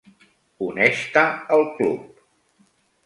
Uneix-te al club.